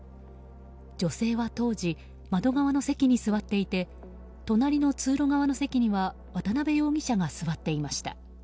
女性は当時窓側の席に座っていて隣の通路側の席には渡辺容疑者が座っていました。